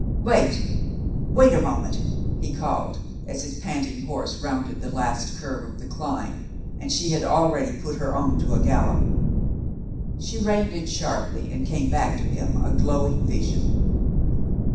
"Wait — wait a moment," he called, as his panting horse rounded the last curve of the climb, and she had already put her own to a gallop. She reined in sharply and came back to him, a glowing vision.